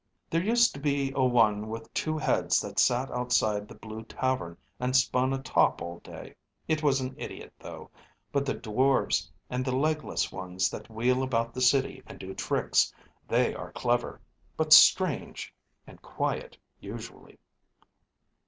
"There used to be a one with two heads that sat outside the Blue Tavern and spun a top all day. It was an idiot, though. But the dwarfs and the legless ones that wheel about the city and do tricks, they are clever. But strange, and quiet, usually."